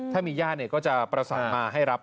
ถ้ามีหย่ารี่ก็จะประสามาต์ให้รับ